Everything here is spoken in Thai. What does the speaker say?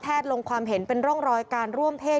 ลงความเห็นเป็นร่องรอยการร่วมเพศ